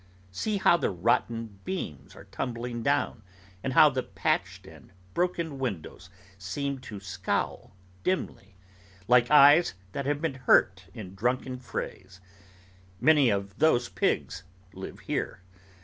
See how the rotten beams are tumbling down, and how the patched and broken windows seem to scowl dimly, like eyes that have been hurt in drunken frays. Many of those pigs live here.